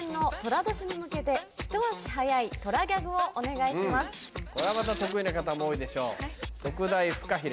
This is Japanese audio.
こりゃまた得意な方も多いでしょう。